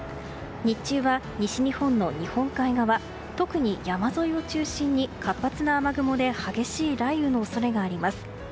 日中は西日本の日本海側特に山沿いを中心に活発な雨雲で激しい雷雨の恐れがあります。